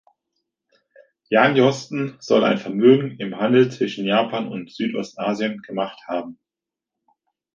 Jan Joosten soll ein Vermögen im Handel zwischen Japan und Südostasien gemacht haben.